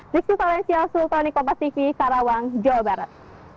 diksu talensia sultan nikompa tv karawang jawa barat